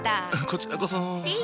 こちらこそ。